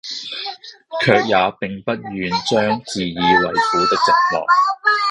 卻也並不願將自以爲苦的寂寞，